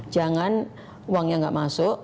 jangan uangnya nggak masuk